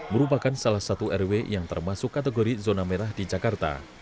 merupakan salah satu rw yang termasuk kategori zona merah di jakarta